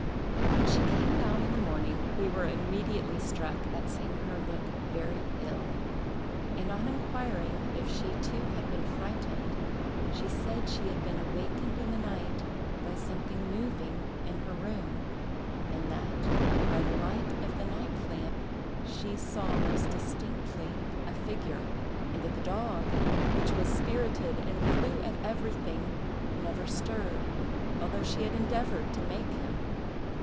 "When she came down in the morning, we were immediately struck at seeing her look very ill; and on inquiring if she too had been frightened, she said she had been awakened in the night by something moving in her room, and that, by the light of the night lamp, she saw most distinctly a figure, and that the dog, which was spirited and flew at everything, never stirred, although she had endeavored to make him.